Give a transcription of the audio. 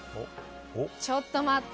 ちょっと待って。